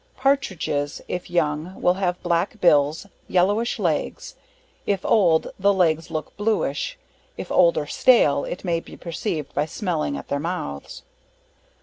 Partridges, if young, will have black bills, yellowish legs; if old, the legs look bluish; if old or stale, it may be perceived by smelling at their mouths.